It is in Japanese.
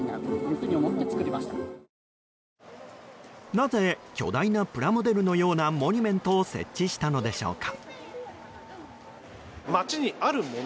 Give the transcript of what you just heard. なぜ巨大なプラモデルのようなモニュメントを設置したのでしょうか。